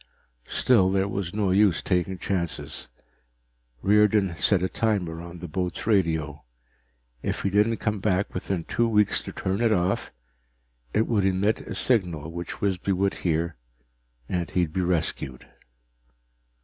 Still, there was no use taking chances. Riordan set a timer on the boat's radio. If he didn't come back within two weeks to turn it off, it would emit a signal which Wisby would hear, and he'd be rescued.